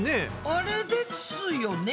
あれですよね？